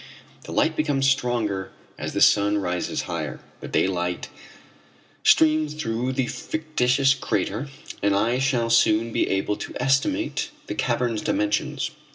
The light becomes stronger as the sun rises higher, the daylight streams through the fictitious crater, and I shall soon be able to estimate the cavern's dimensions.